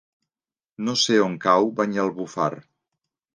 No sé on cau Banyalbufar.